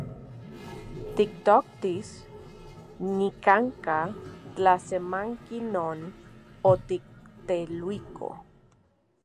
Tiktoktis nikan’ka tlasemanki non otikteluiko.